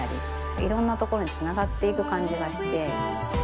いろんな所につながって行く感じがして。